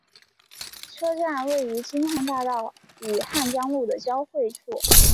车站位于京汉大道与江汉路的交汇处。